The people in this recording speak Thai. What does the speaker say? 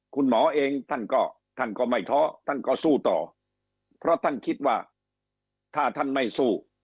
คุณหมอเองท่านก็ท่านก็ไม่ท้อท่านก็สู้ต่อเพราะท่านคิดว่าถ้าท่านไม่สู้